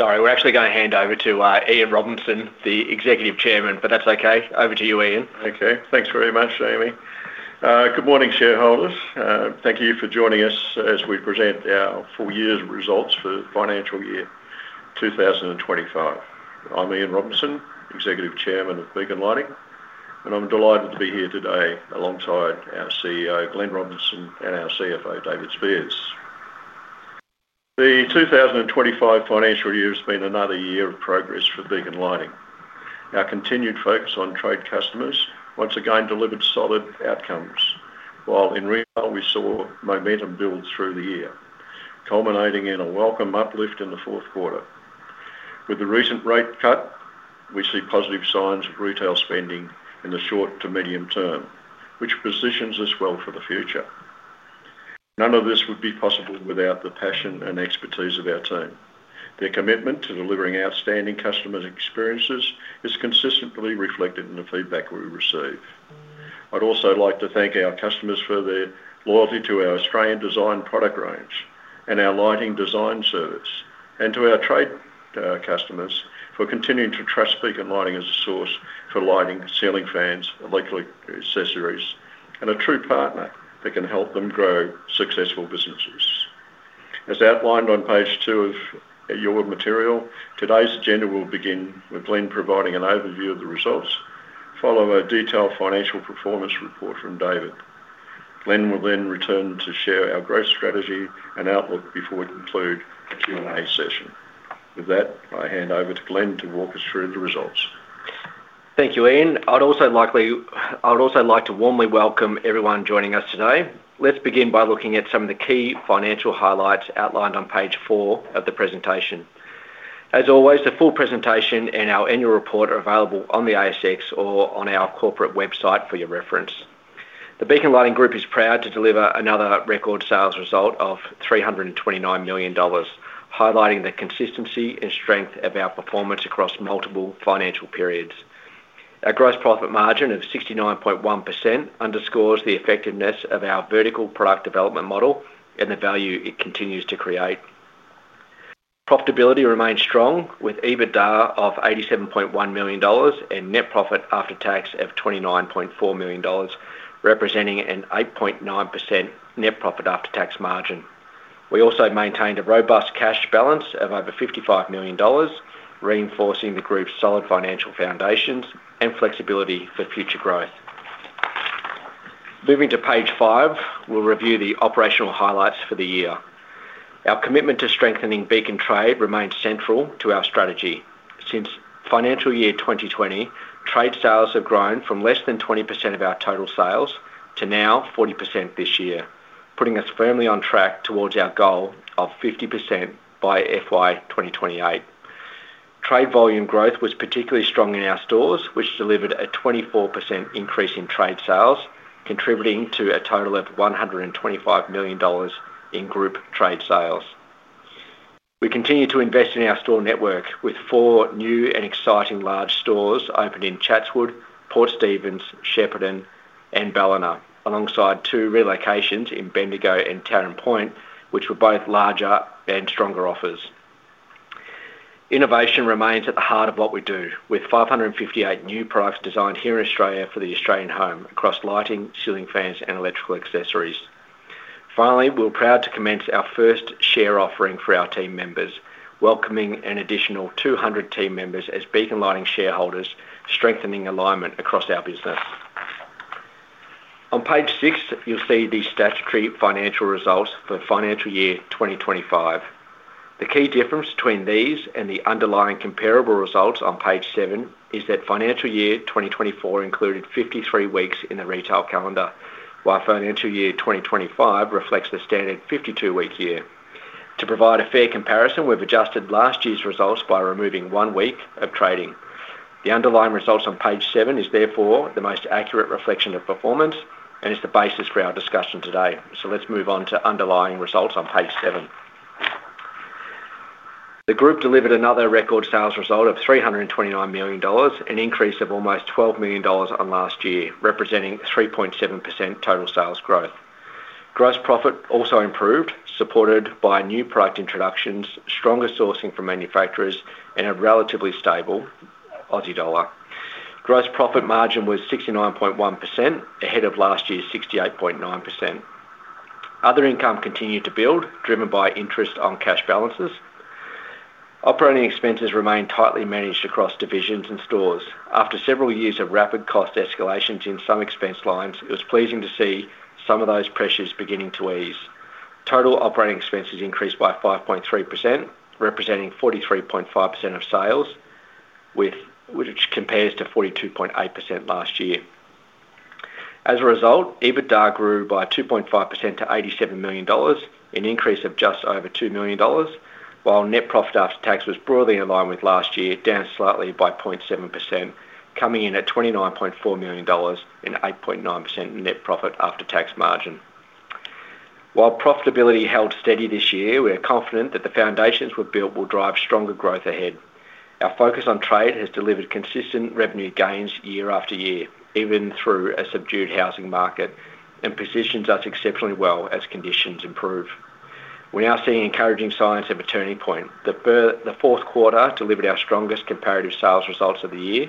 Sorry, we're actually going to hand over to Ian Robinson, the Executive Chairman, but that's okay. Over to you, Ian. Okay, thanks very much, Amy. Good morning, shareholders. Thank you for joining us as we present our full year's results for the financial year 2025. I'm Ian Robinson, Executive Chairman of Beacon Lighting, and I'm delighted to be here today alongside our CEO, Glen Robinson, and our CFO, David Speirs. The 2025 financial year has been another year of progress for Beacon Lighting. Our continued focus on trade customers once again delivered solid outcomes, while in retail we saw momentum build through the year, culminating in a welcome uplift in the fourth quarter. With the recent rate cut, we see positive signs of retail spending in the short to medium term, which positions us well for the future. None of this would be possible without the passion and expertise of our team. Their commitment to delivering outstanding customer experiences is consistently reflected in the feedback we receive. I'd also like to thank our customers for their loyalty to our Australian design product range and our lighting design service, and to our trade customers for continuing to trust Beacon Lighting as a source for lighting, ceiling fans, electric accessories, and a true partner that can help them grow successful businesses. As outlined on page two of your material, today's agenda will begin with Glen providing an overview of the results, followed by a detailed financial performance report from David. Glen will then return to share our growth strategy and outlook before we conclude the Q&A session. With that, I hand over to Glen to walk us through the results. Thank you, Ian. I'd also like to warmly welcome everyone joining us today. Let's begin by looking at some of the key financial highlights outlined on page four of the presentation. As always, the full presentation and our annual report are available on the ASX or on our corporate website for your reference. The Beacon Lighting Group is proud to deliver another record sales result of $329 million, highlighting the consistency and strength of our performance across multiple financial periods. Our gross profit margin of 69.1% underscores the effectiveness of our vertical product development model and the value it continues to create. Profitability remains strong, with EBITDA of $87.1 million and net profit after tax of $29.4 million, representing an 8.9% net profit after tax margin. We also maintained a robust cash balance of over $55 million, reinforcing the group's solid financial foundations and flexibility for future growth. Moving to page five, we'll review the operational highlights for the year. Our commitment to strengthening Beacon Trade remains central to our strategy. Since financial year 2020, trade sales have grown from less than 20% of our total sales to now 40% this year, putting us firmly on track towards our goal of 50% by FY 2028. Trade volume growth was particularly strong in our stores, which delivered a 24% increase in trade sales, contributing to a total of $125 million in group trade sales. We continue to invest in our store network, with four new and exciting large stores opened in Chatswood, Port Stephens, Shepparton, and Ballina, alongside two relocations in Bendigo and Taren Point, which were both larger and stronger offers. Innovation remains at the heart of what we do, with 558 new products designed here in Australia for the Australian home across lighting, ceiling fans, and electrical accessories. Finally, we're proud to commence our first share offering for our team members, welcoming an additional 200 team members as Beacon Lighting shareholders, strengthening alignment across our business. On page six, you'll see the statutory financial results for the financial year 2025. The key difference between these and the underlying comparable results on page seven is that financial year 2024 included 53 weeks in the retail calendar, while financial year 2025 reflects the standard 52-week year. To provide a fair comparison, we've adjusted last year's results by removing one week of trading. The underlying results on page seven are therefore the most accurate reflection of performance and are the basis for our discussion today. Let's move on to underlying results on page seven. The group delivered another record sales result of $329 million, an increase of almost $12 million on last year, representing 3.7% total sales growth. Gross profit also improved, supported by new product introductions, stronger sourcing from manufacturers, and a relatively stable Aussie dollar. Gross profit margin was 69.1%, ahead of last year's 68.9%. Other income continued to build, driven by interest on cash balances. Operating expenses remain tightly managed across divisions and stores. After several years of rapid cost escalations in some expense lines, it was pleasing to see some of those pressures beginning to ease. Total operating expenses increased by 5.3%, representing 43.5% of sales, which compares to 42.8% last year. As a result, EBITDA grew by 2.5% to $87 million, an increase of just over $2 million, while net profit after tax was broadly in line with last year, down slightly by 0.7%, coming in at $29.4 million and 8.9% net profit after tax margin. While profitability held steady this year, we are confident that the foundations we've built will drive stronger growth ahead. Our focus on trade has delivered consistent revenue gains year after year, even through a subdued housing market, and positions us exceptionally well as conditions improve. We're now seeing encouraging signs of a turning point. The fourth quarter delivered our strongest comparative sales results of the year,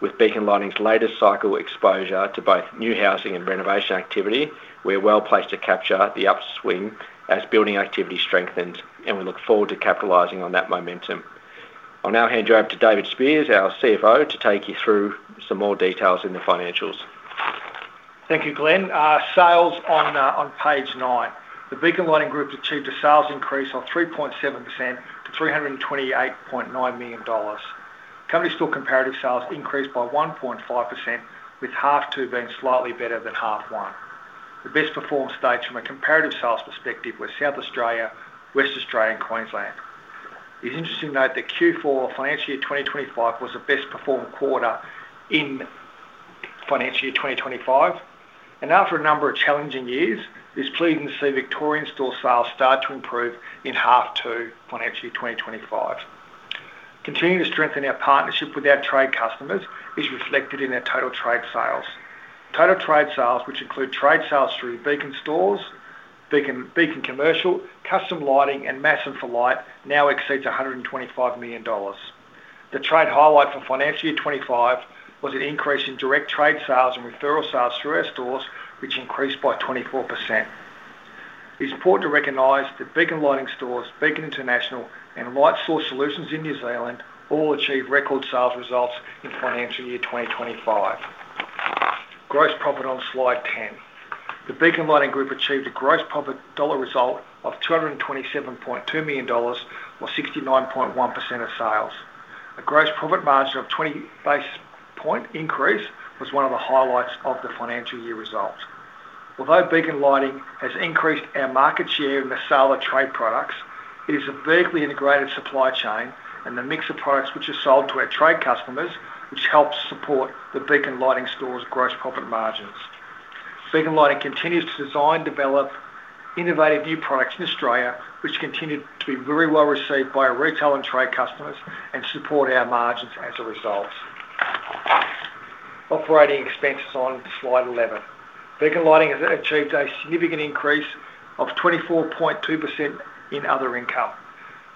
with Beacon Lighting's latest cycle exposure to both new housing and renovation activity. We're well placed to capture the upswing as building activity strengthens, and we look forward to capitalizing on that momentum. On our hand, you're up to David Speirs, our CFO, to take you through some more details in the financials. Thank you, Glen. Sales on page nine. The Beacon Lighting Group achieved a sales increase of 3.7% to $328.9 million. Company store comparative sales increased by 1.5%, with half two being slightly better than half one. The best performed states from a comparative sales perspective were South Australia, West Australia, and Queensland. It's interesting to note that Q4, financial year 2025, was the best performed quarter in financial year 2025. After a number of challenging years, it's pleasing to see Victorian store sales start to improve in half two financial year 2025. Continuing to strengthen our partnership with our trade customers is reflected in our total trade sales. Total trade sales, which include trade sales through Beacon stores, Beacon Commercial, Custom Lighting, and Massen for Light, now exceed $125 million. The trade highlight for financial year 2025 was an increase in direct trade sales and referral sales through our stores, which increased by 24%. It's important to recognize that Beacon Lighting stores, Beacon International, and Light Source Solutions in New Zealand all achieved record sales results in financial year 2025. Gross profit on slide 10. The Beacon Lighting Group achieved a gross profit dollar result of $227.2 million, or 69.1% of sales. A gross profit margin of 20 basis point increase was one of the highlights of the financial year result. Although Beacon Lighting has increased our market share in the sale of trade products, it is a vertically integrated supply chain and the mix of products which are sold to our trade customers, which helps support the Beacon Lighting stores' gross profit margins. Beacon Lighting continues to design, develop, and innovate new products in Australia, which continue to be very well received by retail and trade customers and support our margins as a result. Operating expenses on slide 11. Beacon Lighting has achieved a significant increase of 24.2% in other income.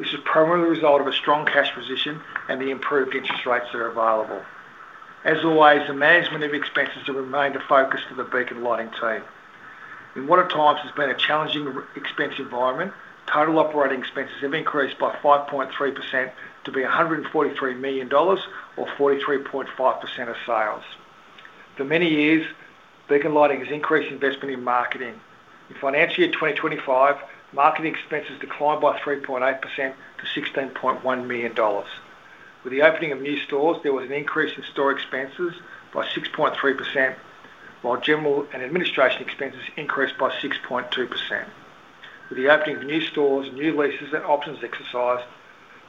This is primarily a result of a strong cash position and the improved interest rates that are available. As always, the management of expenses has remained a focus for the Beacon Lighting team. In what at times has been a challenging expense environment, total operating expenses have increased by 5.3% to be $143 million, or 43.5% of sales. For many years, Beacon Lighting has increased investment in marketing. In financial year 2025, marketing expenses declined by 3.8% to $16.1 million. With the opening of new stores, there was an increase in store expenses by 6.3%, while general and administration expenses increased by 6.2%. With the opening of new stores, new leases, and options exercise,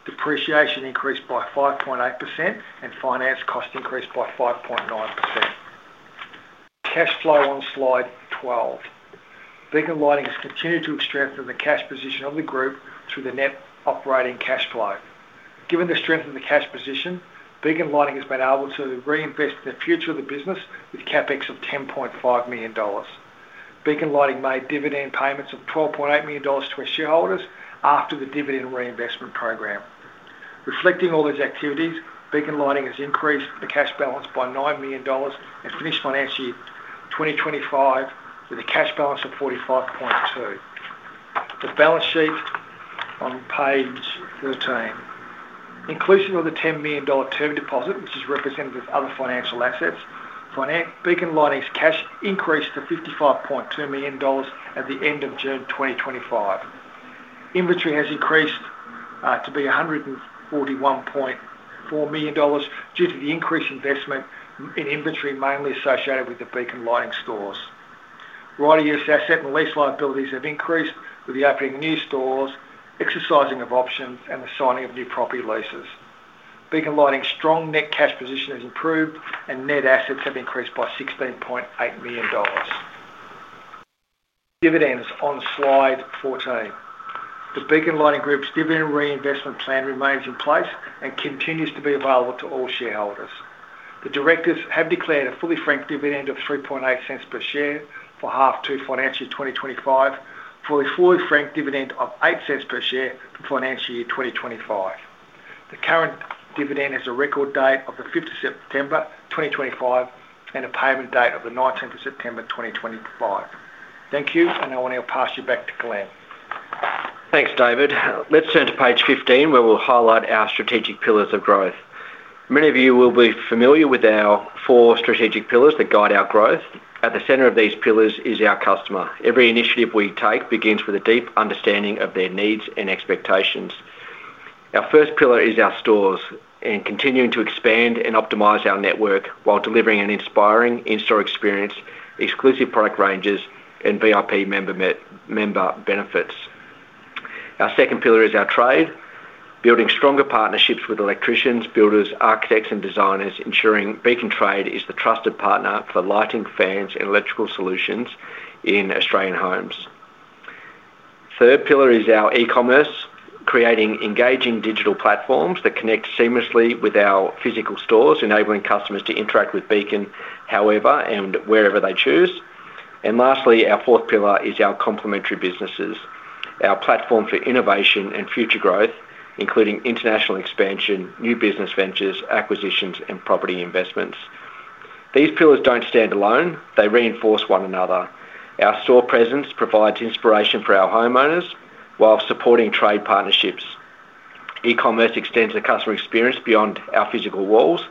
depreciation increased by 5.8% and finance costs increased by 5.9%. Cash flow on slide 12. Beacon Lighting has continued to strengthen the cash position of the group through the net operating cash flow. Given the strength of the cash position, Beacon Lighting has been able to reinvest in the future of the business with a CapEx of $10.5 million. Beacon Lighting made dividend payments of $12.8 million to our shareholders after the dividend reinvestment program. Reflecting all those activities, Beacon Lighting has increased the cash balance by $9 million and finished financial year 2025 with a cash balance of $45.2 million. The balance sheet on page 13. Inclusive of the $10 million term deposit, which is represented as other financial assets, Beacon Lighting's cash increased to $55.2 million at the end of June 2025. Inventory has increased to be $141.4 million due to the increased investment in inventory mainly associated with the Beacon Lighting stores. Right-of-use assets and lease liabilities have increased with the opening of new stores, exercising of options, and the signing of new property leases. Beacon Lighting's strong net cash position has improved and net assets have increased by $16.8 million. Dividends on slide 14. The Beacon Lighting Group's dividend reinvestment plan remains in place and continues to be available to all shareholders. The directors have declared a fully franked dividend of $0.038 per share for half two financial year 2025, for a fully franked dividend of $0.08 per share for financial year 2025. The current dividend has a record date of the 5th of September 2025 and a payment date of the 19th of September 2025. Thank you, and I want to pass you back to Glen. Thanks, David. Let's turn to page 15, where we'll highlight our strategic pillars of growth. Many of you will be familiar with our four strategic pillars that guide our growth. At the center of these pillars is our customer. Every initiative we take begins with a deep understanding of their needs and expectations. Our first pillar is our stores, and continuing to expand and optimize our network while delivering an inspiring in-store experience, exclusive product ranges, and VIP member benefits. Our second pillar is our trade, building stronger partnerships with electricians, builders, architects, and designers, ensuring Beacon Trade is the trusted partner for lighting, fans, and electrical solutions in Australian homes. The third pillar is our e-commerce, creating engaging digital platforms that connect seamlessly with our physical stores, enabling customers to interact with Beacon however and wherever they choose. Lastly, our fourth pillar is our complementary businesses, our platform for innovation and future growth, including international expansion, new business ventures, acquisitions, and property investments. These pillars don't stand alone; they reinforce one another. Our store presence provides inspiration for our homeowners while supporting trade partnerships. E-commerce extends the customer experience beyond our physical walls,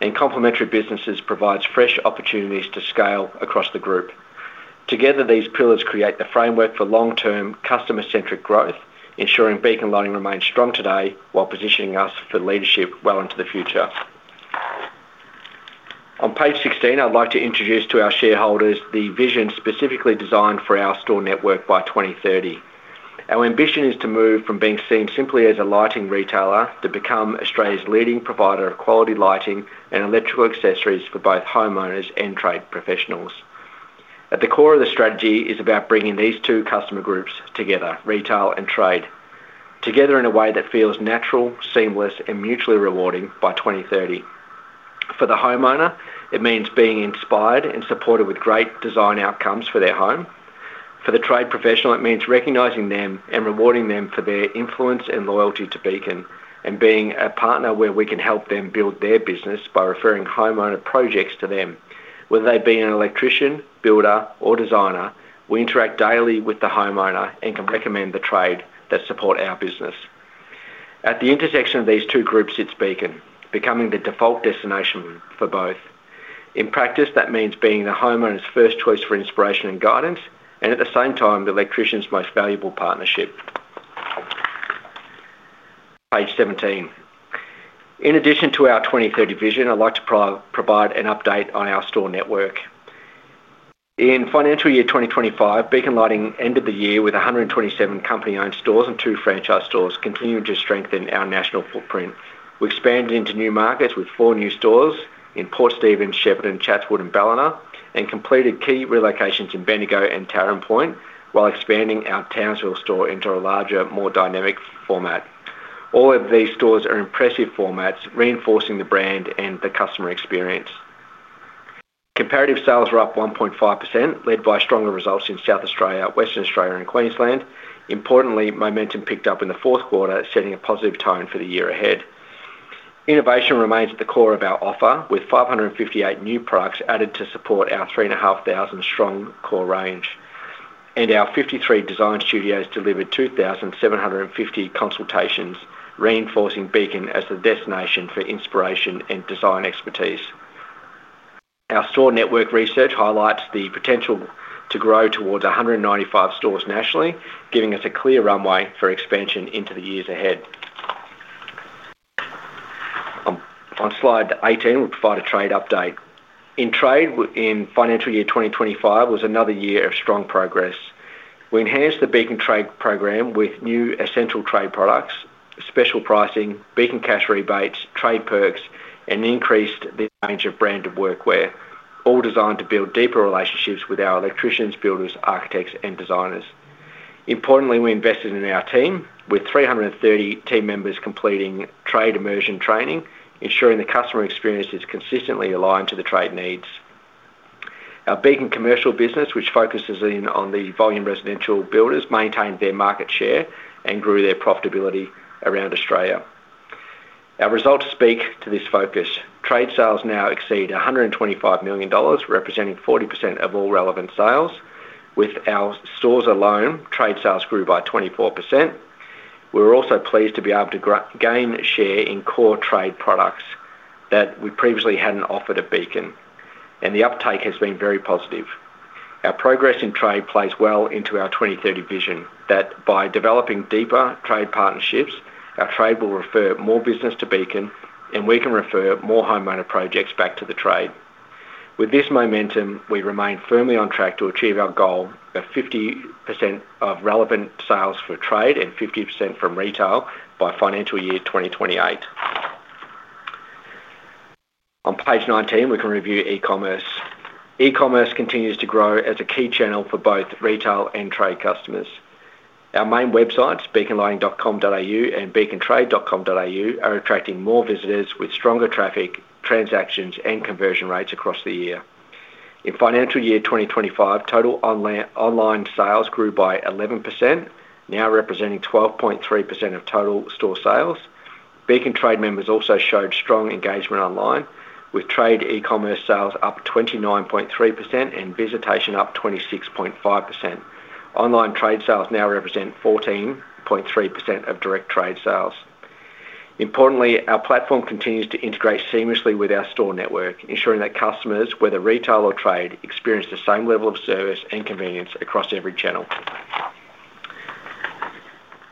and complementary businesses provide fresh opportunities to scale across the group. Together, these pillars create the framework for long-term customer-centric growth, ensuring Beacon Lighting remains strong today while positioning us for leadership well into the future. On page 16, I'd like to introduce to our shareholders the vision specifically designed for our store network by 2030. Our ambition is to move from being seen simply as a lighting retailer to become Australia's leading provider of quality lighting and electrical accessories for both homeowners and trade professionals. At the core of the strategy is about bringing these two customer groups together, retail and trade, together in a way that feels natural, seamless, and mutually rewarding by 2030. For the homeowner, it means being inspired and supported with great design outcomes for their home. For the trade professional, it means recognizing them and rewarding them for their influence and loyalty to Beacon and being a partner where we can help them build their business by referring homeowner projects to them. Whether they be an electrician, builder, or designer, we interact daily with the homeowner and can recommend the trade that supports our business. At the intersection of these two groups, it's Beacon, becoming the default destination for both. In practice, that means being the homeowner's first choice for inspiration and guidance, and at the same time, the electrician's most valuable partnership. Page 17. In addition to our 2030 vision, I'd like to provide an update on our store network. In financial year 2025, Beacon Lighting ended the year with 127 company-owned stores and two franchise stores, continuing to strengthen our national footprint. We expanded into new markets with four new stores in Port Stephens, Shepparton, Chatswood, and Ballina, and completed key relocations in Bendigo and Taren Point while expanding our Townsville store into a larger, more dynamic format. All of these stores are impressive formats, reinforcing the brand and the customer experience. Comparative sales were up 1.5%, led by stronger results in South Australia, Western Australia, and Queensland. Importantly, momentum picked up in Q4, setting a positive tone for the year ahead. Innovation remains at the core of our offer, with 558 new products added to support our 3,500 strong core range, and our 53 design studios delivered 2,750 consultations, reinforcing Beacon as the destination for inspiration and design expertise. Our store network research highlights the potential to grow towards 195 stores nationally, giving us a clear runway for expansion into the years ahead. On slide 18, we'll provide a trade update. In trade, in financial year 2025, it was another year of strong progress. We enhanced the Beacon Trade program with new essential trade products, special pricing, Beacon cash rebates, trade perks, and increased the range of branded workwear, all designed to build deeper relationships with our electricians, builders, architects, and designers. Importantly, we invested in our team, with 330 team members completing trade immersion training, ensuring the customer experience is consistently aligned to the trade needs. Our Beacon commercial business, which focuses on the volume residential builders, maintained their market share and grew their profitability around Australia. Our results speak to this focus. Trade sales now exceed $125 million, representing 40% of all relevant sales. With our stores alone, trade sales grew by 24%. We're also pleased to be able to gain share in core trade products that we previously hadn't offered at Beacon, and the uptake has been very positive. Our progress in trade plays well into our 2030 vision that by developing deeper trade partnerships, our trade will refer more business to Beacon, and we can refer more homeowner projects back to the trade. With this momentum, we remain firmly on track to achieve our goal of 50% of relevant sales for trade and 50% from retail by financial year 2028. On page 19, we can review e-commerce. E-commerce continues to grow as a key channel for both retail and trade customers. Our main websites, beaconlighting.com.au and beacontrade.com.au, are attracting more visitors with stronger traffic, transactions, and conversion rates across the year. In financial year 2025, total online sales grew by 11%, now representing 12.3% of total store sales. Beacon Trade members also showed strong engagement online, with trade e-commerce sales up 29.3% and visitation up 26.5%. Online trade sales now represent 14.3% of direct trade sales. Importantly, our platform continues to integrate seamlessly with our store network, ensuring that customers, whether retail or trade, experience the same level of service and convenience across every channel.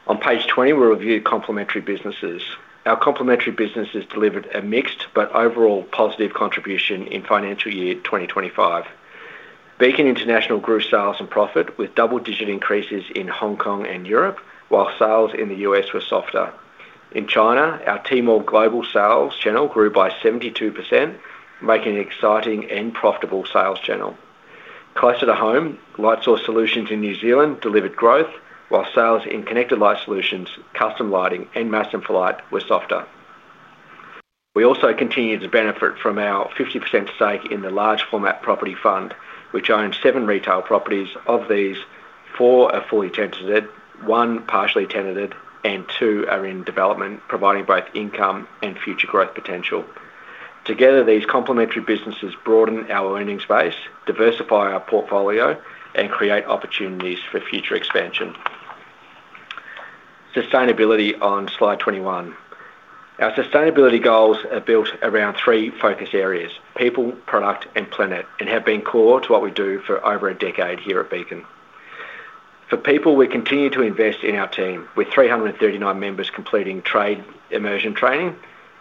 On page 20, we'll review complementary businesses. Our complementary businesses delivered a mixed but overall positive contribution in financial year 2025. Beacon International grew sales and profit with double-digit increases in Hong Kong and Europe, while sales in the U.S. were softer. In China, our T-Mall global sales channel grew by 72%, making it an exciting and profitable sales channel. Closer to home, Light Source Solutions in New Zealand delivered growth, while sales in Connected Light Solutions, Custom Lighting, and Massen for Light were softer. We also continue to benefit from our 50% stake in the large format property fund, which owns seven retail properties. Of these, four are fully tenanted, one partially tenanted, and two are in development, providing both income and future growth potential. Together, these complementary businesses broaden our earnings base, diversify our portfolio, and create opportunities for future expansion. Sustainability on slide 21. Our sustainability goals are built around three focus areas: people, product, and planet, and have been core to what we do for over a decade here at Beacon. For people, we continue to invest in our team, with 339 members completing trade immersion training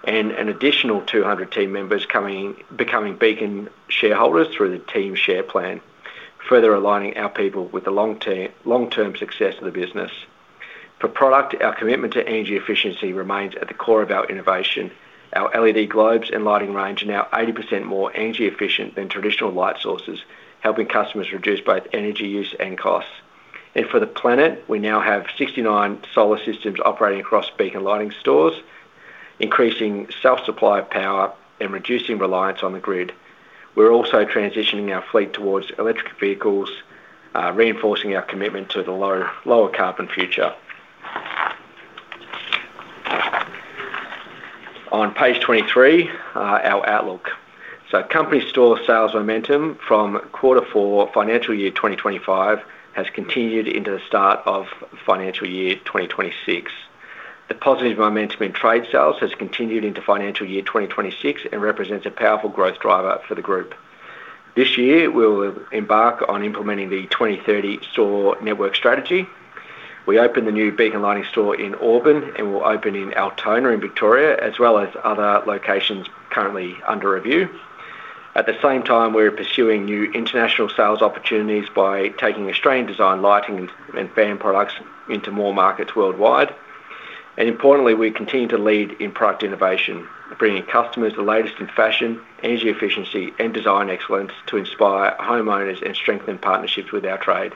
and an additional 200 team members becoming Beacon shareholders through the team share plan, further aligning our people with the long-term success of the business. For product, our commitment to energy efficiency remains at the core of our innovation. Our LED globes and lighting range are now 80% more energy efficient than traditional light sources, helping customers reduce both energy use and costs. For the planet, we now have 69 solar systems operating across Beacon Lighting stores, increasing self-supply of power and reducing reliance on the grid. We're also transitioning our fleet towards electric vehicles, reinforcing our commitment to the lower carbon future. On page 23, our outlook. Company store sales momentum from Q4 financial year 2025 has continued into the start of financial year 2026. The positive momentum in trade sales has continued into financial year 2026 and represents a powerful growth driver for the group. This year, we'll embark on implementing the 2030 store network strategy. We opened the new Beacon Lighting store in Auburn and will open in Altona in Victoria, as well as other locations currently under review. At the same time, we're pursuing new international sales opportunities by taking Australian designed lighting and fan products into more markets worldwide. Importantly, we continue to lead in product innovation, bringing customers the latest in fashion, energy efficiency, and design excellence to inspire homeowners and strengthen partnerships with our trade.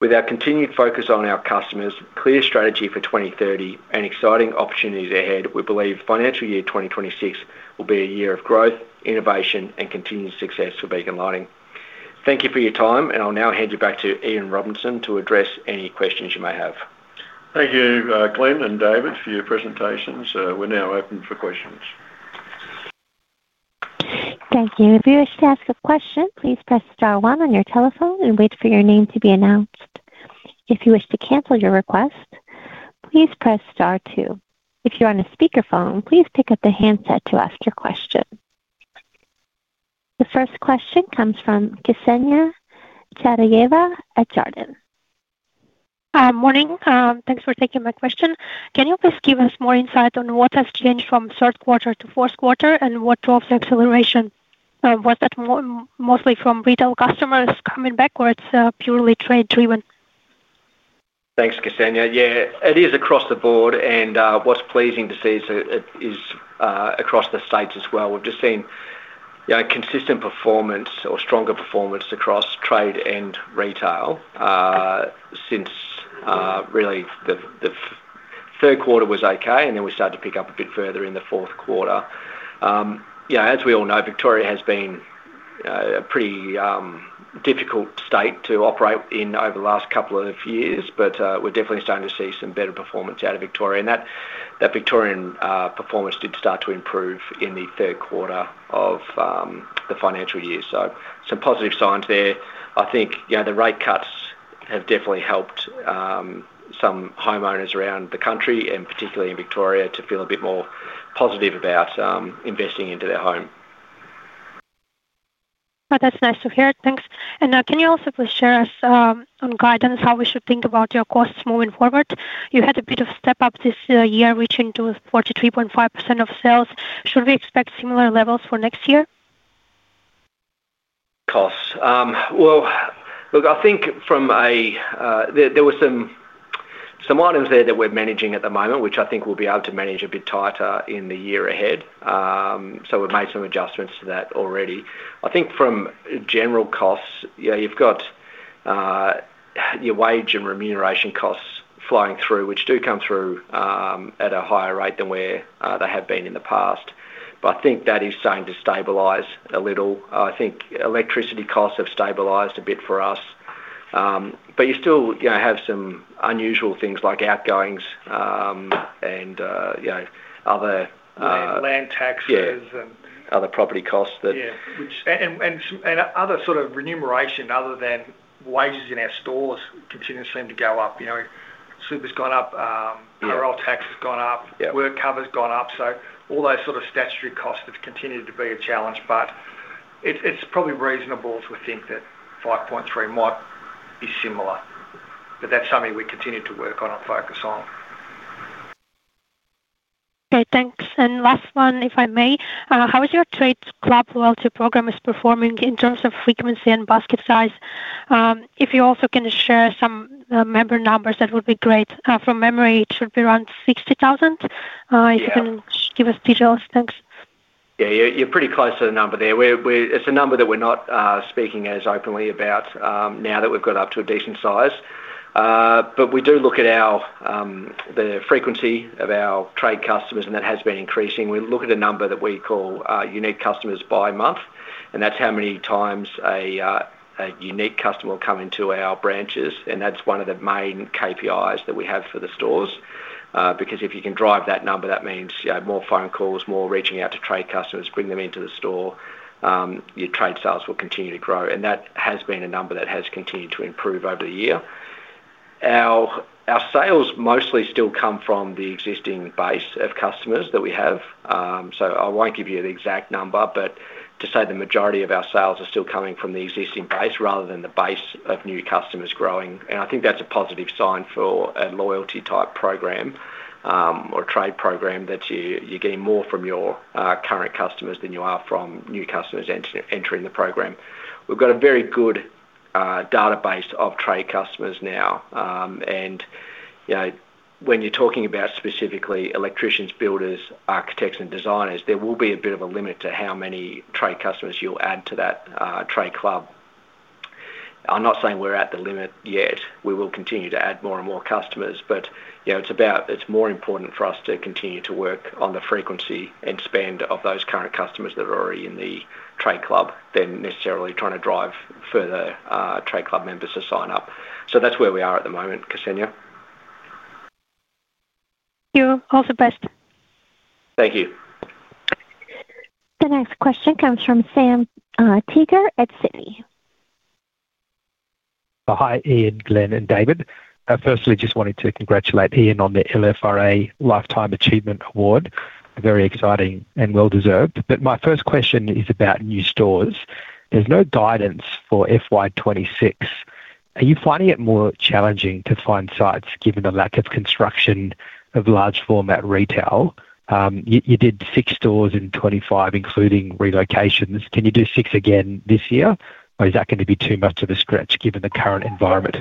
With our continued focus on our customers, clear strategy for 2030, and exciting opportunities ahead, we believe financial year 2026 will be a year of growth, innovation, and continued success for Beacon Lighting. Thank you for your time, and I'll now hand you back to Ian Robinson to address any questions you may have. Thank you, Glen and David, for your presentations. We're now open for questions. Thank you. If you wish to ask a question, please press star one on your telephone and wait for your name to be announced. If you wish to cancel your request, please press star two. If you're on a speakerphone, please pick up the handset to ask your question. The first question comes from Kseniya Chadayeva at Jarden. Morning. Thanks for taking my question. Can you please give us more insight on what has changed from third quarter to fourth quarter, and what drove the acceleration? Was it mostly from retail customers coming back, or it's purely trade-driven? Thanks, Kseniya. Yeah, it is across the board, and what's pleasing to see is across the states as well. We've just seen consistent performance or stronger performance across trade and retail since, really, the third quarter was okay, and then we started to pick up a bit further in the fourth quarter. As we all know, Victoria has been a pretty difficult state to operate in over the last couple of years, but we're definitely starting to see some better performance out of Victoria, and that Victorian performance did start to improve in the third quarter of the financial year. Some positive signs there. I think the rate cuts have definitely helped some homeowners around the country, and particularly in Victoria, to feel a bit more positive about investing into their home. Oh, that's nice to hear. Thanks. Can you also please share us on guidance how we should think about your costs moving forward? You had a bit of a step up this year, reaching to 43.5% of sales. Should we expect similar levels for next year? Costs. I think from a, there were some items there that we're managing at the moment, which I think we'll be able to manage a bit tighter in the year ahead. We've made some adjustments to that already. I think from general costs, yeah, you've got your wage and remuneration costs flowing through, which do come through at a higher rate than they have been in the past. I think that is starting to stabilize a little. I think electricity costs have stabilized a bit for us. You still have some unusual things like outgoings and, you know, other. Land taxes. Other property costs, that. Yeah, which, and other sort of remuneration other than wages in our stores continue to seem to go up. You know, super's gone up, payroll tax has gone up, work cover's gone up. All those sort of statutory costs have continued to be a challenge, but it's probably reasonable to think that 5.3% might be similar. That's something we continue to work on and focus on. Okay, thanks. Last one, if I may, how is your trade club loyalty program performing in terms of frequency and basket size? If you're also going to share some member numbers, that would be great. From memory, it should be around 60,000. If you can give us details, thanks. Yeah, you're pretty close to the number there. It's a number that we're not speaking as openly about now that we've got up to a decent size. We do look at the frequency of our trade customers, and that has been increasing. We look at a number that we call unique customers by month, and that's how many times a unique customer will come into our branches. That's one of the main KPIs that we have for the stores. If you can drive that number, that means more phone calls, more reaching out to trade customers, bringing them into the store, your trade sales will continue to grow. That has been a number that has continued to improve over the year. Our sales mostly still come from the existing base of customers that we have. I won't give you the exact number, but to say the majority of our sales are still coming from the existing base rather than the base of new customers growing. I think that's a positive sign for a loyalty type program or a trade program that you're getting more from your current customers than you are from new customers entering the program. We've got a very good database of trade customers now. When you're talking about specifically electricians, builders, architects, and designers, there will be a bit of a limit to how many trade customers you'll add to that trade club. I'm not saying we're at the limit yet. We will continue to add more and more customers, but it's more important for us to continue to work on the frequency and spend of those current customers that are already in the trade club than necessarily trying to drive further trade club members to sign up. That's where we are at the moment, Kseniya. You're all the best. Thank you. The next question comes from Sam Teeger at Citi. Hi, Ian, Glen, and David. Firstly, just wanted to congratulate Ian on the LFRA Lifetime Achievement Award. Very exciting and well deserved. My first question is about new stores. There's no guidance for FY 2026. Are you finding it more challenging to find sites given the lack of construction of large format retail? You did six stores in 2025, including relocations. Can you do six again this year, or is that going to be too much of a stretch given the current environment?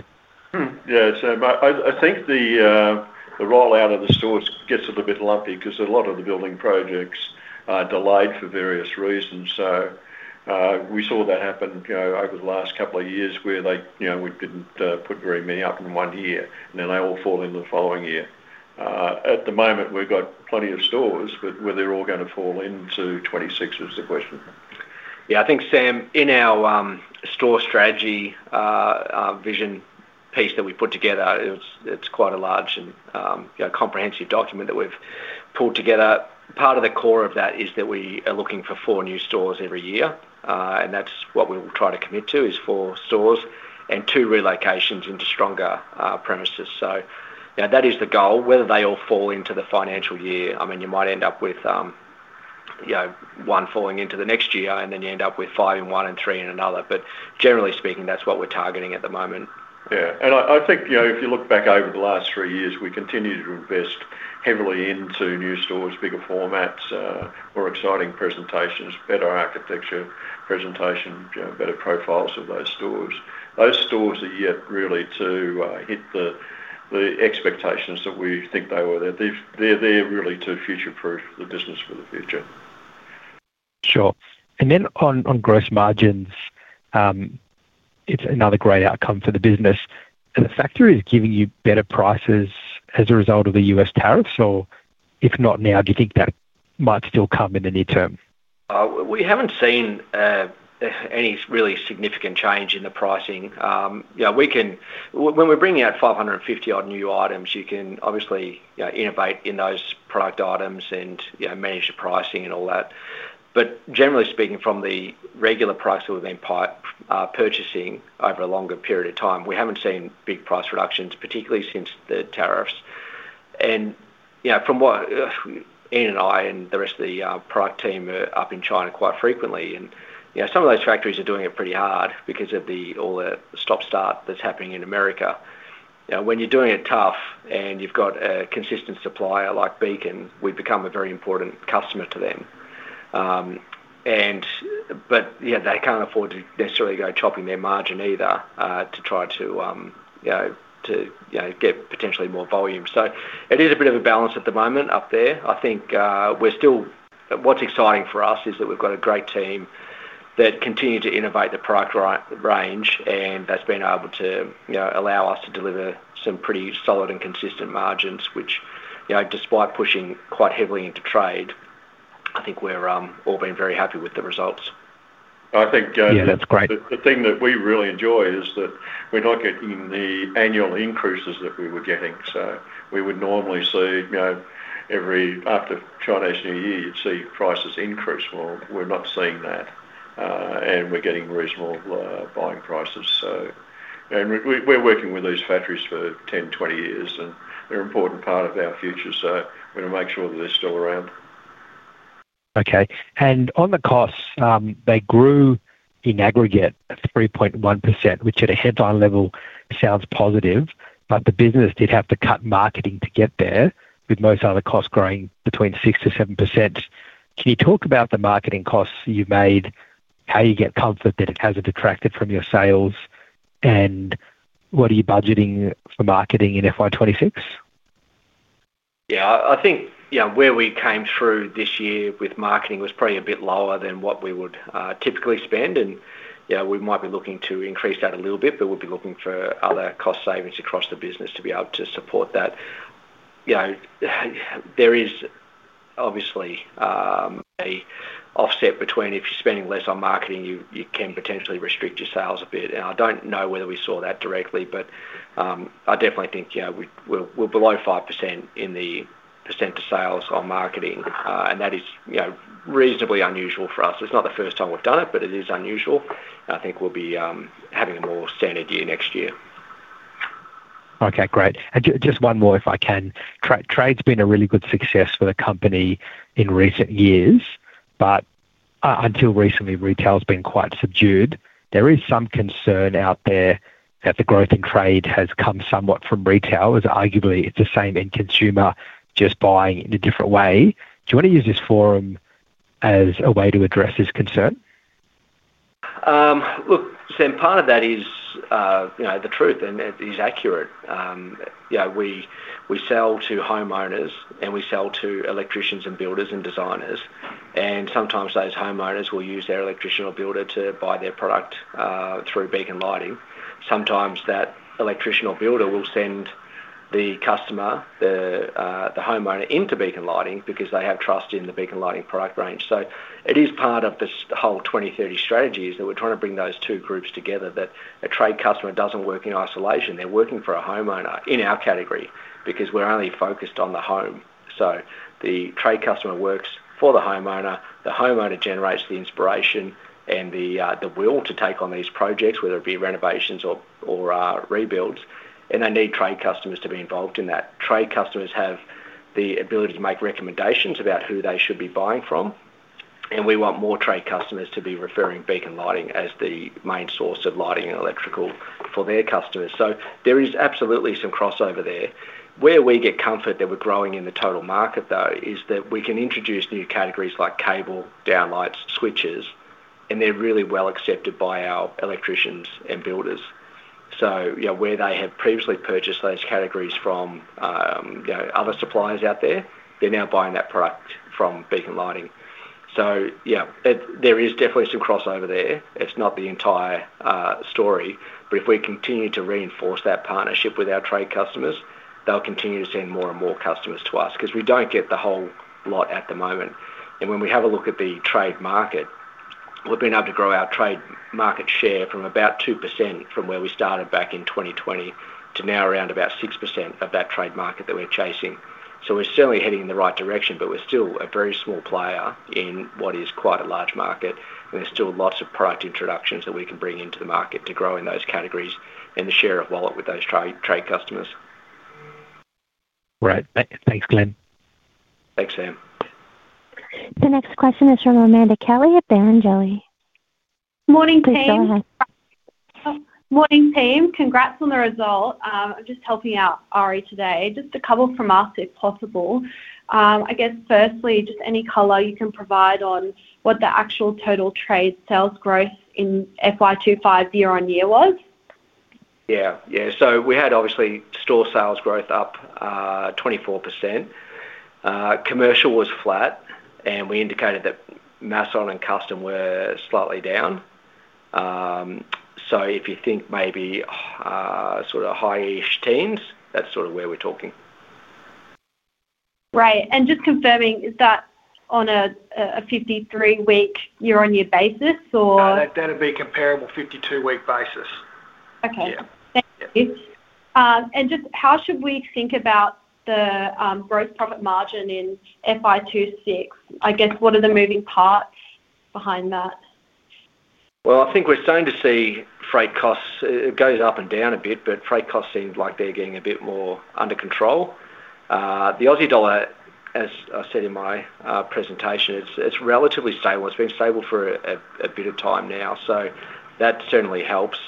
I think the rollout of the stores gets a little bit lumpy because a lot of the building projects are delayed for various reasons. We saw that happen over the last couple of years where we didn't put very many up in one year, and then they all fall in the following year. At the moment, we've got plenty of stores, but where they're all going to fall into 2026 is the question. I think, Sam, in our store strategy, our vision piece that we put together, it's quite a large and comprehensive document that we've pulled together. Part of the core of that is that we are looking for four new stores every year, and that's what we'll try to commit to is four stores and two relocations into stronger premises. That is the goal. Whether they all fall into the financial year, I mean, you might end up with one falling into the next year, and then you end up with five in one and three in another. Generally speaking, that's what we're targeting at the moment. Yeah, I think, you know, if you look back over the last three years, we continue to invest heavily into new stores, bigger formats, more exciting presentations, better architecture presentation, better profiles of those stores. Those stores are yet really to hit the expectations that we think they were there. They're really to future-proof the business for the future. Sure. On gross margins, it's another great outcome for the business. Are the factories giving you better prices as a result of the US tariffs, or if not now, do you think that might still come in the near term? We haven't seen any really significant change in the pricing. You know, we can, when we're bringing out 550 odd new items, you can obviously innovate in those product items and manage your pricing and all that. Generally speaking, from the regular price that we've been purchasing over a longer period of time, we haven't seen big price reductions, particularly since the tariffs. From what Ian Robinson and I and the rest of the product team are up in China quite frequently, some of those factories are doing it pretty hard because of all the stop-start that's happening in the America. When you're doing it tough and you've got a consistent supplier like Beacon, we become a very important customer to them. They can't afford to necessarily go chopping their margin either to try to get potentially more volume. It is a bit of a balance at the moment up there. I think we're still, what's exciting for us is that we've got a great team that continues to innovate the product range, and that's been able to allow us to deliver some pretty solid and consistent margins, which, despite pushing quite heavily into trade, I think we're all being very happy with the results. I think, yeah, that's great. The thing that we really enjoy is that we're not getting the annual increases that we were getting. We would normally see, you know, every after the Chinese New Year, you'd see prices increase. We're not seeing that, and we're getting reasonable buying prices. We're working with these factories for 10 years, 20 years, and they're an important part of our future. We're going to make sure that they're still around. Okay. On the costs, they grew in aggregate at 3.1%, which at a headline level sounds positive, but the business did have to cut marketing to get there, with most other costs growing between 6% to 7%. Can you talk about the marketing costs you made, how you get comfort that it has a detractor from your sales, and what are you budgeting for marketing in FY 2026? I think where we came through this year with marketing was probably a bit lower than what we would typically spend, and we might be looking to increase that a little bit, but we'll be looking for other cost savings across the business to be able to support that. There is obviously an offset between if you're spending less on marketing, you can potentially restrict your sales a bit. I don't know whether we saw that directly, but I definitely think we're below 5% in the percent of sales on marketing, and that is reasonably unusual for us. It's not the first time we've done it, but it is unusual. I think we'll be having a more standard year next year. Okay, great. Just one more if I can. Trade's been a really good success for the company in recent years, but until recently, retail's been quite subdued. There is some concern out there that the growth in trade has come somewhat from retail, as arguably it's the same end consumer just buying in a different way. Do you want to use this forum as a way to address this concern? Look, Sam, part of that is, you know, the truth, and it is accurate. We sell to homeowners, and we sell to electricians and builders and designers, and sometimes those homeowners will use their electrician or builder to buy their product through Beacon Lighting. Sometimes that electrician or builder will send the customer, the homeowner, into Beacon Lighting because they have trust in the Beacon Lighting product range. It is part of this whole 2030 strategy that we're trying to bring those two groups together, that a trade customer doesn't work in isolation. They're working for a homeowner in our category because we're only focused on the home. The trade customer works for the homeowner. The homeowner generates the inspiration and the will to take on these projects, whether it be renovations or rebuilds, and they need trade customers to be involved in that. Trade customers have the ability to make recommendations about who they should be buying from, and we want more trade customers to be referring Beacon Lighting as the main source of lighting and electrical for their customers. There is absolutely some crossover there. Where we get comfort that we're growing in the total market is that we can introduce new categories like cable, downlights, switches, and they're really well accepted by our electricians and builders. Where they had previously purchased those categories from other suppliers out there, they're now buying that product from Beacon Lighting. There is definitely some crossover there. It's not the entire story, but if we continue to reinforce that partnership with our trade customers, they'll continue to send more and more customers to us because we don't get the whole lot at the moment. When we have a look at the trade market, we've been able to grow our trade market share from about 2% from where we started back in 2020 to now around about 6% of that trade market that we're chasing. We're certainly heading in the right direction, but we're still a very small player in what is quite a large market, and there's still lots of product introductions that we can bring into the market to grow in those categories and the share of wallet with those trade customers. Right. Thanks, Glen. Thanks, Sam. The next question is from Amanda Kelly at Barrenjoey. Morning, team. Congrats on the result. I'm just helping out Ari today. Just a couple from us, if possible. I guess firstly, just any color you can provide on what the actual total trade sales growth in FY 2025 year on year was? We had obviously store sales growth up 24%. Commercial was flat, and we indicated that mass sale and custom were slightly down. If you think maybe sort of high-ish teens, that's sort of where we're talking. Right. Just confirming, is that on a 53-week year on year basis, or? That'd be a comparable 52-week basis. Okay. Thank you. How should we think about the gross profit margin in FY 2026? I guess what are the moving parts behind that? I think we're starting to see freight costs. It goes up and down a bit, but freight costs seem like they're getting a bit more under control. The Aussie dollar, as I said in my presentation, it's relatively stable. It's been stable for a bit of time now, so that certainly helps.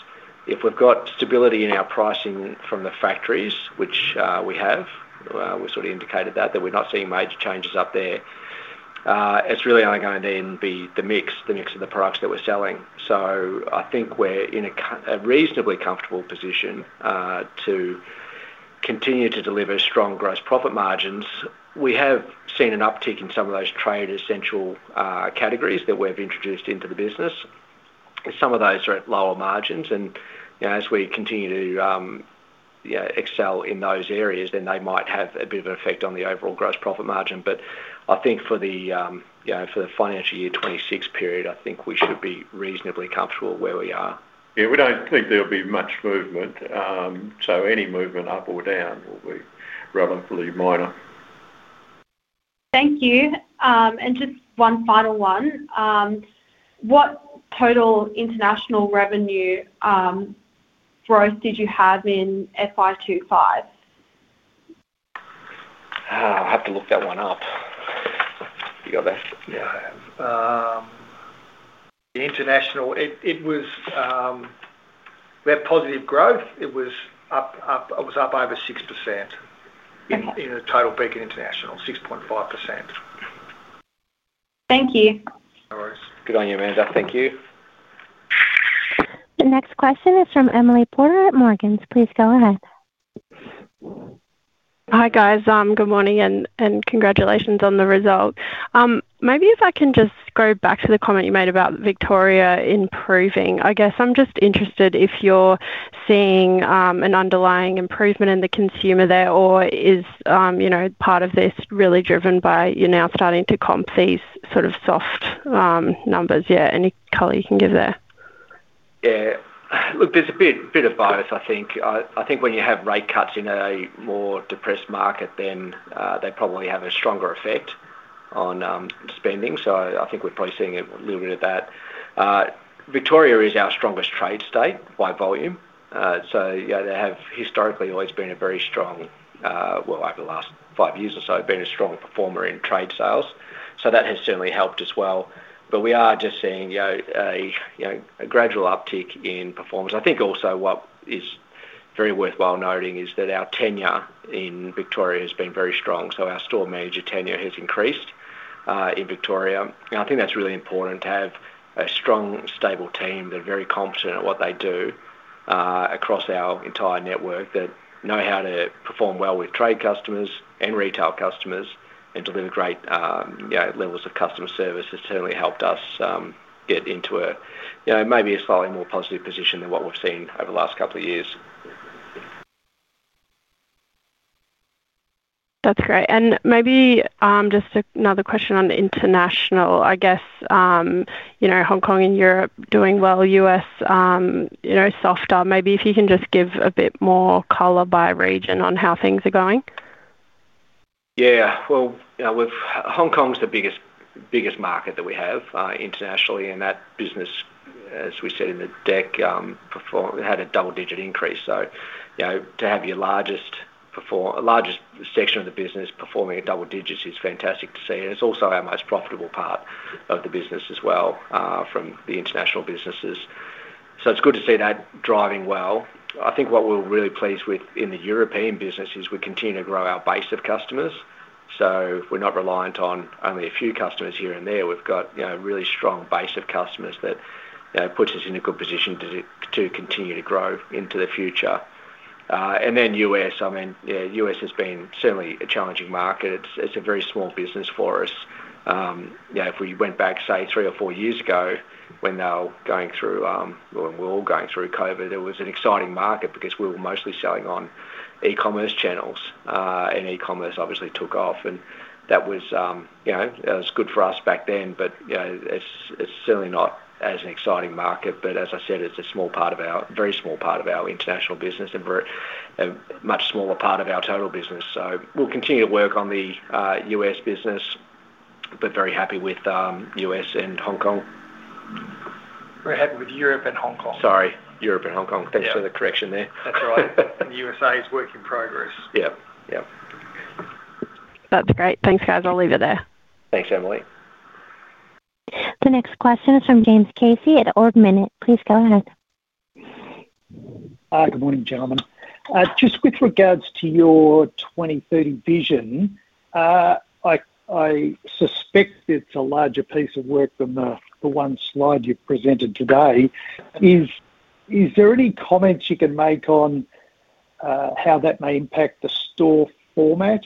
If we've got stability in our pricing from the factories, which we have, we've sort of indicated that, that we're not seeing major changes up there, it's really only going to then be the mix, the mix of the products that we're selling. I think we're in a reasonably comfortable position to continue to deliver strong gross profit margins. We have seen an uptick in some of those trade essential categories that we've introduced into the business. Some of those are at lower margins, and as we continue to excel in those areas, then they might have a bit of an effect on the overall gross profit margin. I think for the financial year 2026 period, I think we should be reasonably comfortable where we are. We don't think there'll be much movement. Any movement up or down will be relatively minor. Thank you. Just one final one. What total international revenue growth did you have in FY 2025? I'll have to look that one up. You got that? Yeah, I have. The international, it was, we had positive growth. It was up, it was up over 6% in the total Beacon International, 6.5%. Thank you. All right. Good on you, Amanda. Thank you. The next question is from Emily Porter at Morgans. Please go ahead. Hi guys. Good morning and congratulations on the result. Maybe if I can just go back to the comment you made about Victoria improving. I guess I'm just interested if you're seeing an underlying improvement in the consumer there, or is part of this really driven by you're now starting to comp these sort of soft numbers? Yeah, any color you can give there? Yeah, look, there's a bit of bias, I think. I think when you have rate cuts in a more depressed market, then they probably have a stronger effect on spending. I think we're probably seeing a little bit of that. Victoria is our strongest trade state by volume. They have historically always been a very strong, well, over the last five years or so, been a strong performer in trade sales. That has certainly helped as well. We are just seeing a gradual uptick in performance. I think also what is very worthwhile noting is that our tenure in Victoria has been very strong. Our store manager tenure has increased in Victoria. I think that's really important to have a strong, stable team that are very competent at what they do across our entire network, that know how to perform well with trade customers and retail customers and deliver great levels of customer service has certainly helped us get into a, you know, maybe a slightly more positive position than what we've seen over the last couple of years. That's great. Maybe just another question on the international. I guess, you know, Hong Kong and Europe doing well, U.S., you know, softer. Maybe if you can just give a bit more color by region on how things are going. Yeah, you know, Hong Kong's the biggest market that we have internationally, and that business, as we said in the deck, had a double-digit increase. To have your largest section of the business performing at double digits is fantastic to see. It's also our most profitable part of the business as well from the international businesses. It's good to see that driving well. I think what we're really pleased with in the European business is we continue to grow our base of customers. We're not reliant on only a few customers here and there. We've got a really strong base of customers that puts us in a good position to continue to grow into the future. The U.S., I mean, yeah, the U.S. has been certainly a challenging market. It's a very small business for us. If we went back, say, three or four years ago, when they were going through, when we were all going through COVID, it was an exciting market because we were mostly selling on e-commerce channels, and e-commerce obviously took off. That was good for us back then, but it's certainly not as an exciting market. As I said, it's a small part of our, very small part of our international business and a much smaller part of our total business. We'll continue to work on the US business, but very happy with the U.S. and Hong Kong. Very happy with Europe and Hong Kong. Sorry, Europe and Hong Kong. Thanks for the correction there. That's all right. The U.S. is a work in progress. Yeah, yeah. That's great. Thanks, guys. I'll leave it there. Thanks, Emily. The next question is from James Casey at Ord Minnett. Please go ahead. Good morning, gentlemen. Just with regards to your 2030 vision, I suspect it's a larger piece of work than the one slide you've presented today. Is there any comments you can make on how that may impact the store format,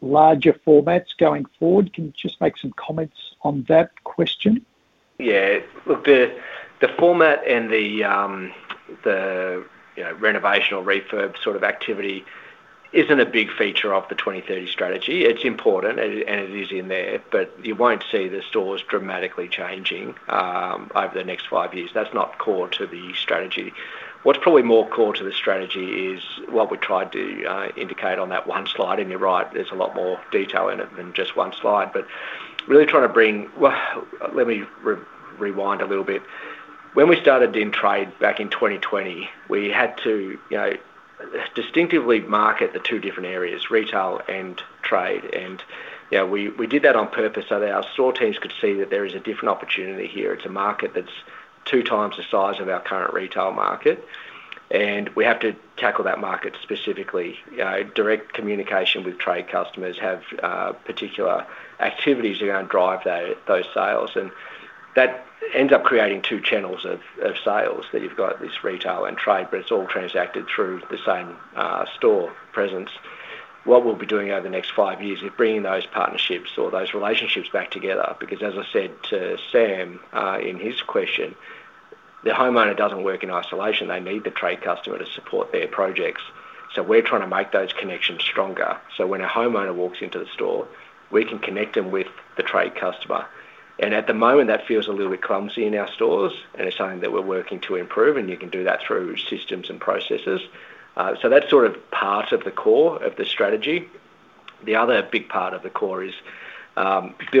larger formats going forward? Can you just make some comments on that question? Yeah, look, the format and the renovation or refurb sort of activity isn't a big feature of the 2030 strategy. It's important, and it is in there, but you won't see the stores dramatically changing over the next five years. That's not core to the strategy. What's probably more core to the strategy is what we tried to indicate on that one slide, and you're right, there's a lot more detail in it than just one slide. Really trying to bring, let me rewind a little bit. When we started in trade back in 2020, we had to distinctively market the two different areas, retail and trade. We did that on purpose so that our store teams could see that there is a different opportunity here. It's a market that's two times the size of our current retail market. We have to tackle that market specifically. Direct communication with trade customers, have particular activities around driving those sales. That ends up creating two channels of sales that you've got, this retail and trade, but it's all transacted through the same store presence. What we'll be doing over the next five years is bringing those partnerships or those relationships back together. As I said to Sam in his question, the homeowner doesn't work in isolation. They need the trade customer to support their projects. We're trying to make those connections stronger. When a homeowner walks into the store, we can connect them with the trade customer. At the moment, that feels a little bit clumsy in our stores, and it's something that we're working to improve. You can do that through systems and processes. That's sort of part of the core of the strategy. The other big part of the core is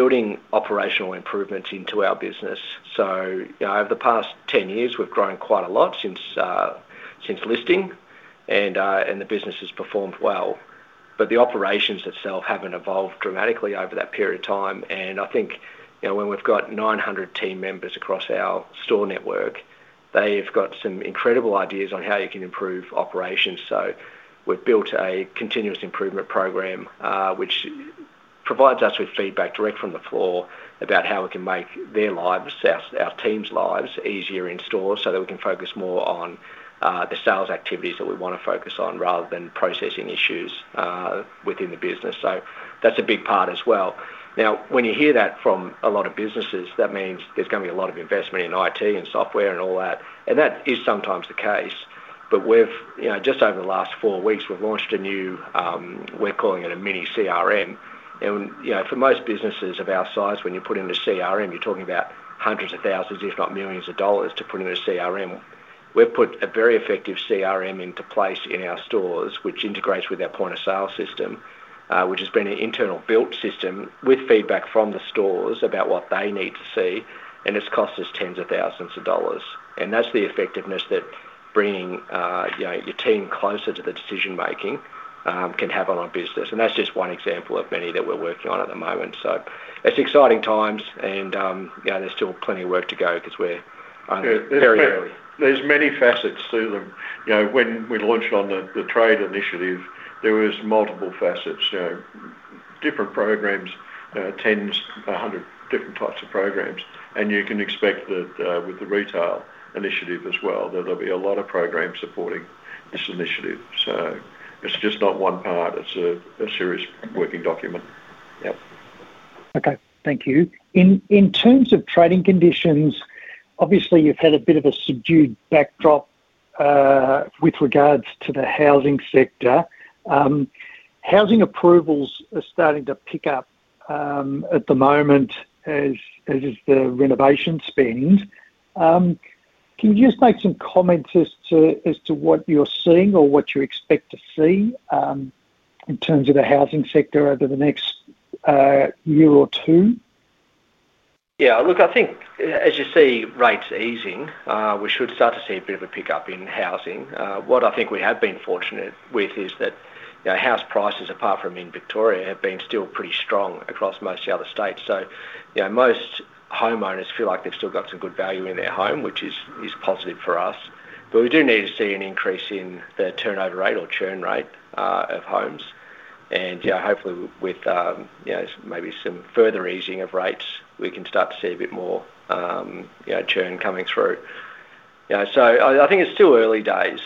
building operational improvements into our business. Over the past 10 years, we've grown quite a lot since listing, and the business has performed well. The operations itself haven't evolved dramatically over that period of time. I think when we've got 900 team members across our store network, they've got some incredible ideas on how you can improve operations. We've built a continuous improvement program, which provides us with feedback direct from the floor about how we can make their lives, our team's lives, easier in stores so that we can focus more on the sales activities that we want to focus on rather than processing issues within the business. That's a big part as well. Now, when you hear that from a lot of businesses, that means there's going to be a lot of investment in IT and software and all that. That is sometimes the case. Over the last four weeks, we've launched a new, we're calling it a mini CRM. For most businesses of our size, when you put in a CRM, you're talking about hundreds of thousands, if not millions of dollars, to put in a CRM. We've put a very effective CRM into place in our stores, which integrates with our point of sale system, which has been an internal built system with feedback from the stores about what they need to see. It's cost us tens of thousands of dollars. That's the effectiveness that bringing your team closer to the decision making can have on a business. That's just one example of many that we're working on at the moment. It's exciting times, and there's still plenty of work to go because we're very early. are many facets to them. When we launched on the trade initiative, there were multiple facets, different programs, tens, a hundred different types of programs. You can expect that with the retail initiative as well, there will be a lot of programs supporting this initiative. It is not just one part. It is a serious working document. Yeah. Okay. Thank you. In terms of trading conditions, obviously you've had a bit of a subdued backdrop with regards to the housing sector. Housing approvals are starting to pick up at the moment, as is the renovation spend. Can you just make some comments as to what you're seeing or what you expect to see in terms of the housing sector over the next year or two? Yeah, look, I think as you see rates easing, we should start to see a bit of a pickup in housing. What I think we have been fortunate with is that, you know, house prices, apart from in Victoria, have been still pretty strong across most of the other states. Most homeowners feel like they've still got some good value in their home, which is positive for us. We do need to see an increase in the turnover rate or churn rate of homes. Hopefully, with maybe some further easing of rates, we can start to see a bit more churn coming through. I think it's still early days.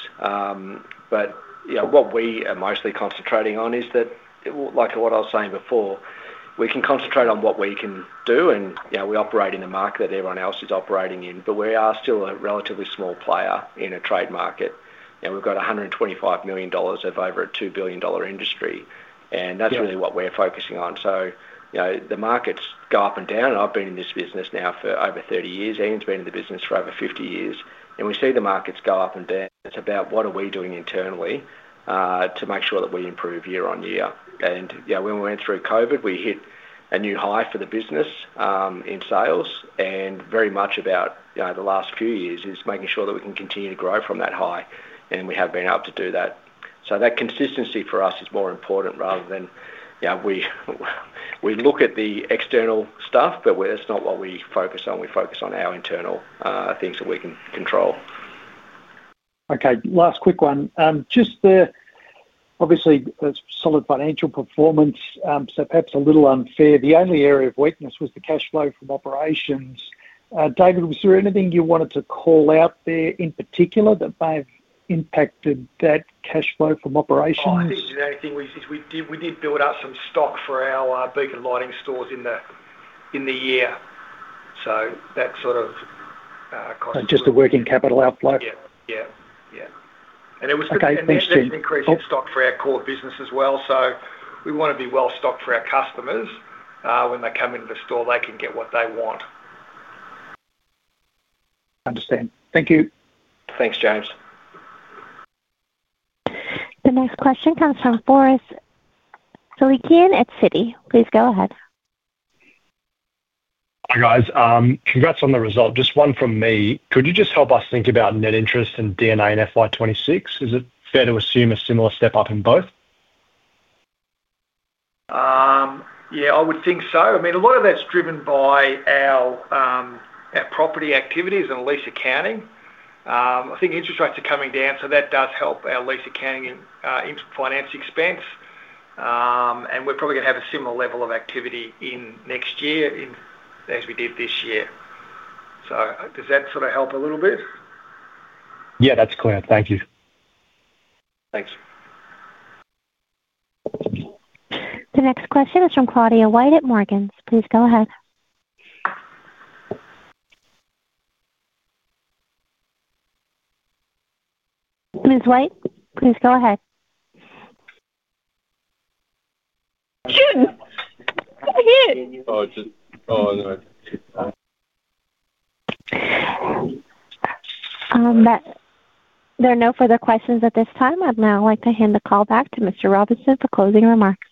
What we are mostly concentrating on is that, like what I was saying before, we can concentrate on what we can do, and we operate in a market that everyone else is operating in, but we are still a relatively small player in a trade market. We've got $125 million of over a $2 billion industry, and that's really what we're focusing on. The markets go up and down. I've been in this business now for over 30 years. Ian's been in the business for over 50 years. We see the markets go up and down. It's about what are we doing internally to make sure that we improve year on year. When we went through COVID, we hit a new high for the business in sales. Very much about the last few years is making sure that we can continue to grow from that high. We have been able to do that. That consistency for us is more important rather than, you know, we look at the external stuff, but that's not what we focus on. We focus on our internal things that we can control. Okay, last quick one. Obviously, that's solid financial performance. Perhaps a little unfair, the only area of weakness was the cash flow from operations. David, was there anything you wanted to call out there in particular that may have impacted that cash flow from operations? I think the only thing we did, we did build up some stock for our Beacon Lighting stores in the year. That sort of. Just the working capital outflow? Yeah, it was. Okay, next gen. Increased stock for our core business as well. We want to be well stocked for our customers. When they come into the store, they can get what they want. Understand. Thank you. Thanks, James. The next question comes from Boris Filikian at Citi. Please go ahead. Hi guys. Congrats on the result. Just one from me. Could you just help us think about net interest and D&A in FY 2026? Is it fair to assume a similar step up in both? Yeah, I would think so. I mean, a lot of that's driven by our property activities and lease accounting. I think interest rates are coming down, which does help our lease accounting and finance expense. We're probably going to have a similar level of activity next year as we did this year. Does that help a little bit? Yeah, that's clear. Thank you. Thanks. The next question is from Claudia White at Morgan's. Please go ahead. Ms. White, please go ahead. are no further questions at this time. I'd now like to hand the call back to Mr. Robinson for closing remarks.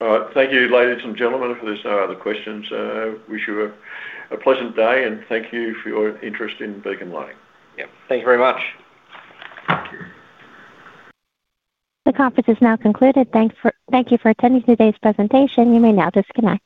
All right. Thank you, ladies and gentlemen, for those questions. I wish you a pleasant day, and thank you for your interest in Beacon Lighting. Yeah, thank you very much. The conference is now concluded. Thank you for attending today's presentation. You may now disconnect.